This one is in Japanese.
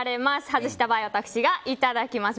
外した場合は私がいただきます。